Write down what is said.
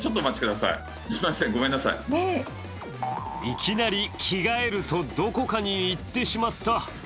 いきなり着替えると、どこかに行ってしまった。